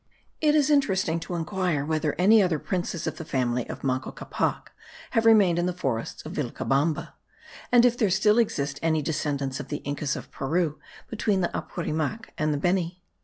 It is interesting to inquire whether any other princes of the family of Manco Capac have remained in the forests of Vilcabamba, and if there still exist any descendants of the Incas of Peru between the Apurimac and the Beni.